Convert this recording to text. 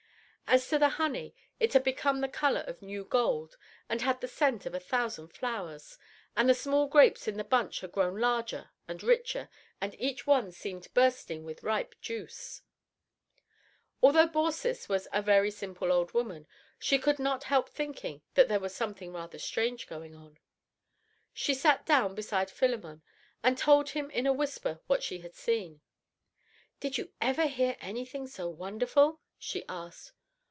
As to the honey, it had become the color of new gold and had the scent of a thousand flowers, and the small grapes in the bunch had grown larger and richer, and each one seemed bursting with ripe juice. Although Baucis was a very simple old woman, she could not help thinking that there was something rather strange going on. She sat down beside Philemon and told him in a whisper what she had seen. "Did you ever hear anything so wonderful?" she asked.